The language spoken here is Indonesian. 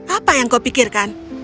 apa yang kau pikirkan